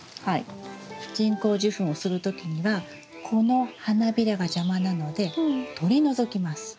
人工授粉をする時にはこの花びらが邪魔なので取り除きます。